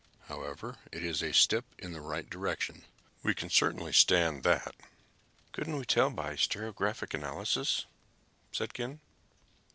However it is a step in the right direction. We can certainly stand that!" "Couldn't we tell by spectroscopic analysis?" said Ken.